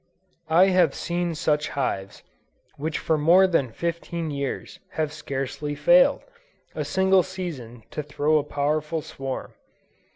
I have seen such hives, which for more than fifteen years, have scarcely failed, a single season, to throw a powerful swarm.